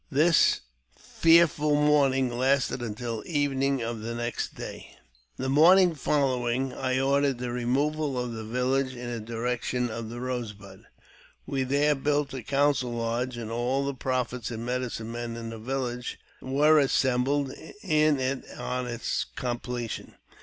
This fearful mourning lasted until evening of the next day. The morning following I ordered the removal of the village in the direction of the Rose Bud. We there built a council lodge, and all the prophets and medicine men in the village were assembled in it on its completion.